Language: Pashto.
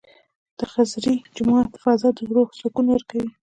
د خضري جومات فضا د روح سکون ورکوي.